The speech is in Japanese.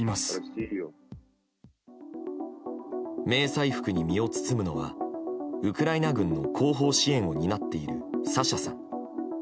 迷彩服に身を包むのはウクライナ軍の後方支援を担っている、サシャさん。